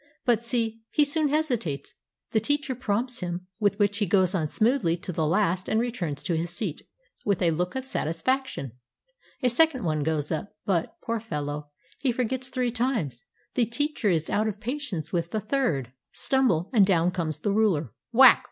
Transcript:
But see, he soon hesitates; the teacher prompts him, with which he goes on smoothly to the last and returns to his seat with a look of satisfaction. A second one goes up, but, poor fellow, he forgets three times; the teacher is out of patience with the third stumble, and down comes the ruler, whack!